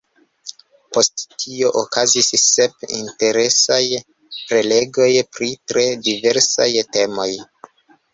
Post tio okazis sep interesaj prelegoj pri tre diversaj temoj.